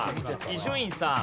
伊集院さん。